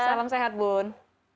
salam sehat bund